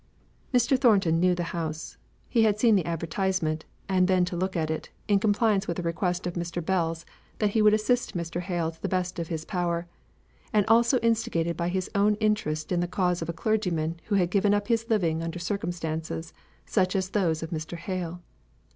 Mr. Thornton knew the house. He had seen the advertisement, and been to look at it, in compliance with a request of Mr. Bell's that he would assist Mr. Hale to the best of his power: and also instigated by his own interest in the case of a clergyman who had given up his living under circumstances such as those of Mr. Hale.